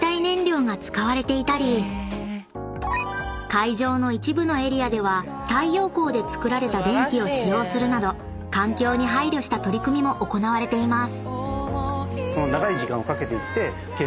［会場の一部のエリアでは太陽光で作られた電気を使用するなど環境に配慮した取り組みも行われています］